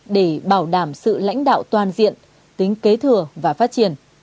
để bảo đảm sự lãnh đạo toàn diện tính kế thừa và phát triển